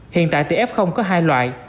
hiện tại thì f có hai loại